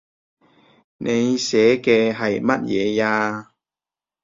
你寫嘅係乜嘢呀